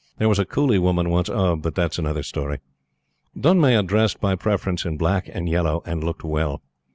There was a coolie woman once. But that is another story.] Dunmaya dressed by preference in black and yellow, and looked well.